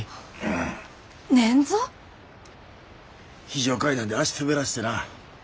非常階段で足滑らしてな。